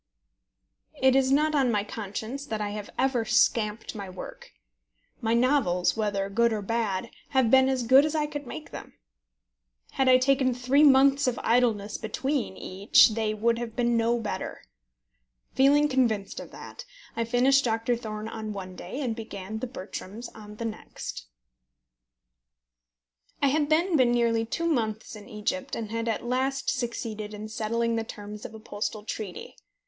It is not on my conscience that I have ever scamped my work. My novels, whether good or bad, have been as good as I could make them. Had I taken three months of idleness between each they would have been no better. Feeling convinced of that, I finished Doctor Thorne on one day, and began The Bertrams on the next. I had then been nearly two months in Egypt, and had at last succeeded in settling the terms of a postal treaty.